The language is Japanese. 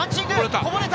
こぼれた！